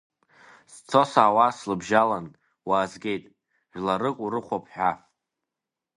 Сцо-саауа слыбжьалан, уаазгеит, жәларык урыхәап ҳәа.